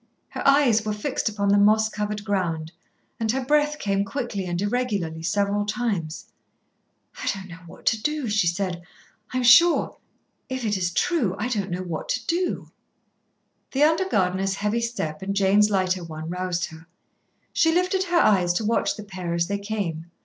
Her eyes were fixed upon the moss covered ground, and her breath came quickly and irregularly several times. "I don't know what to do," she said. "I am sure if it is true I don't know what to do." The under gardener's heavy step and Jane's lighter one roused her. She lifted her eyes to watch the pair as they came.